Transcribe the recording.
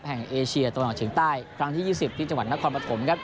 เอเชียตะวันออกเฉียงใต้ครั้งที่๒๐ที่จังหวัดนครปฐมครับ